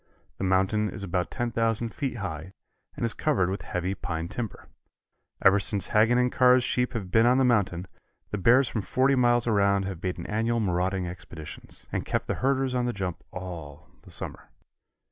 The mountain is about 10,000 feet high, and is covered with heavy pine timber. Ever since Haggin & Carr's sheep have been on the mountain, the bears from forty miles around have made annual marauding expeditions, and kept the herders on the jump all the summer.